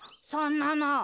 そんなの！